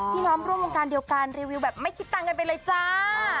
พี่น้องร่วมวงการเดียวกันรีวิวแบบไม่คิดตังค์กันไปเลยจ้า